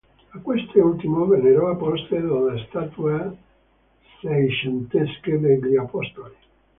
A questi ultimi vennero apposte delle statue seicentesche degli Apostoli.